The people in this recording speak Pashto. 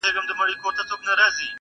درې ملګري وه یو علم بل عزت وو،